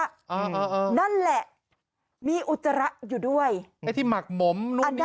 อ่าอ่าอ่านั่นแหละมีอุจจระอยู่ด้วยไอ้ที่หมักหมมนุ่มนี้เข้าไปนะ